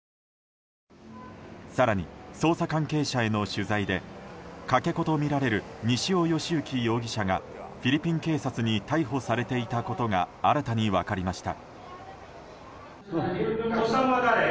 更に、捜査関係者への取材でかけ子とみられる西尾嘉之容疑者がフィリピン警察に逮捕されていたことが新たに分かりました。